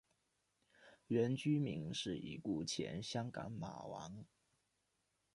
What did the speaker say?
原居民是已故前香港马王。